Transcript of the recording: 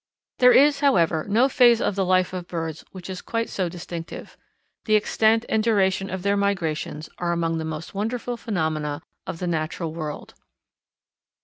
There is, however, no phase of the life of birds which is quite so distinctive. The extent and duration of their migrations are among the most wonderful phenomena of the natural world.